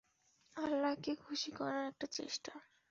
আল্লাহকে খুশি করার একটা চেষ্টা।